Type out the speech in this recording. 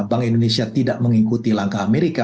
bank indonesia tidak mengikuti langkah amerika